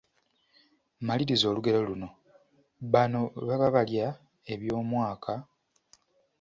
Maliriza olugero luno: Banno baba balya eby'omwaka, ….